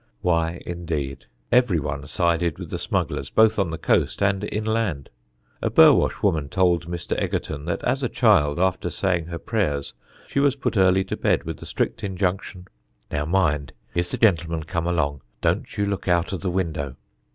Why, indeed? Everyone sided with the smugglers, both on the coast and inland. A Burwash woman told Mr. Egerton that as a child, after saying her prayers, she was put early to bed with the strict injunction, "Now, mind, if the gentlemen come along, don't you look out of the window."